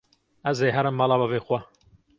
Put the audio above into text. Ez ê herim mala bavê xwe.